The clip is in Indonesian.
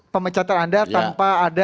pemecatan anda tanpa ada